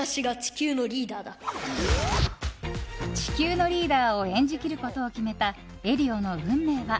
地球のリーダーを演じきることを決めたエリオの運命は。